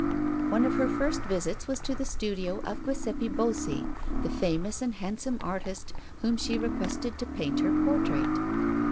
One of her first visits was to the studio of Giuseppe Bossi, the famous and handsome artist, whom she requested to paint her portrait.